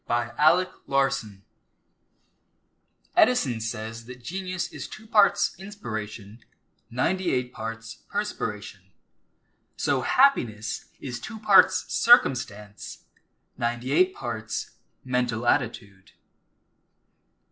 DAYS OF CHEER Edison says that genius is two parts inspiration, ninety eight parts perspiration. So happiness is two parts circumstance, ninety eight parts mental attitude.